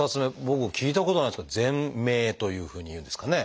僕聞いたことないんですけど「ぜん鳴」というふうにいうんですかね。